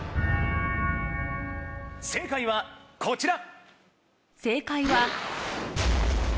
正解はこちら。